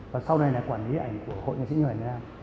và sau này là quản lý ảnh của hội nhà sinh nhuận việt nam